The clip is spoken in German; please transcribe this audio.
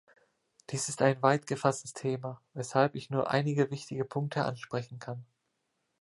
Dies ist ein weit gefasstes Thema, weshalb ich nur einige wichtige Punkte ansprechen kann.